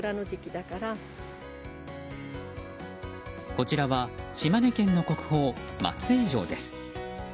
こちらは島根県の国宝松江城です。